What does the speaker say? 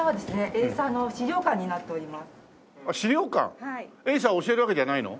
エイサーを教えるわけじゃないの？